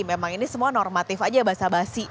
memang ini semuanya normatif saja ya basa basi